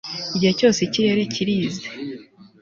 igihe cyose ikirere kirize